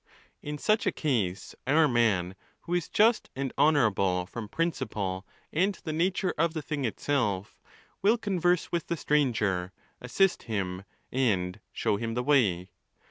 In such a case our man, who is just and honourable from principle and the nature of the thing itself, will converse with the stranger, assist him, and show him the way.